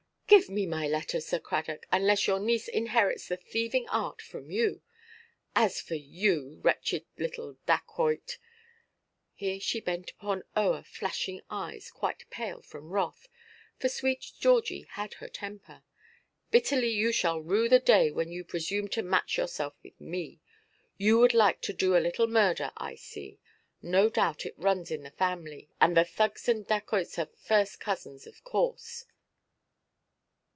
"Give me my letter, Sir Cradock Nowell, unless your niece inherits the thieving art from you. As for you, wretched little Dacoit," here she bent upon Eoa flashing eyes quite pale from wrath, for sweet Georgie had her temper, "bitterly you shall rue the day when you presumed to match yourself with me. You would like to do a little murder, I see. No doubt it runs in the family; and the Thugs and Dacoits are first cousins, of course."